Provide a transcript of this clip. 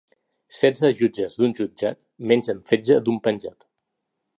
Setze jutges d'un jutjat mengen fetge d'un penjat.